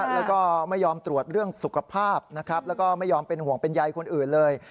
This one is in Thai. แล้วก็ไม่ยอมตรวจเรื่องสุขภาพนะครับแล้วก็ไม่ยอมเป็นห่วงเป็นใยคนอื่นเลย